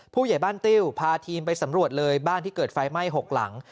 ผู้ใหญ่บ้านติ้วพาทีมไปสำรวจเลยบ้านที่เกิดไฟไหม้๖หลัง